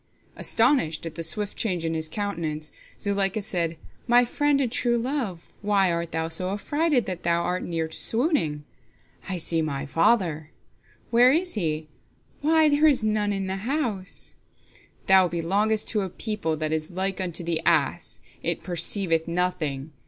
Astonished at the swift change in his countenance, Zuleika said, "My friend and true love, why art thou so affrighted that thou art near to swooning? Joseph: "I see my father!" Zuleika: "Where is he? Why, there is none in the house." Joseph: "Thou belongest to a people that is like unto the ass, it perceiveth nothing.